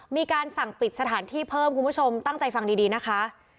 มีการสั่งปิดสถานที่เพิ่มคุณผู้ชมตั้งใจฟังดีนะคะ